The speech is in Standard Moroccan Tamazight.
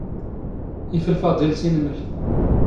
ⵉⴼⵍ ⴼⴰⴹⵉⵍ ⵜⵉⵏⵎⵍ.